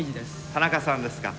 田中さんですか。